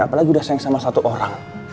apalagi udah sayang sama satu orang